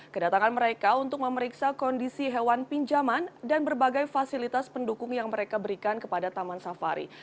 kedatangan mereka untuk memeriksa kondisi hewan pinjaman dan berbagai fasilitas pendukung yang mereka berikan kepada taman safari